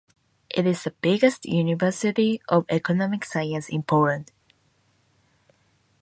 It is the biggest university of economic sciences in Poland.